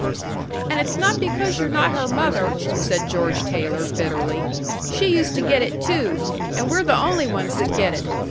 "And it's not because you're not her mother," said George Taylor, bitterly. "She used to get it, too. And we're the only ones that get it.